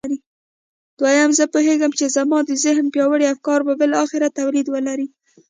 دويم زه پوهېږم چې زما د ذهن پياوړي افکار به بالاخره توليد ولري.